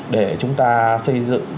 để chúng ta xây dựng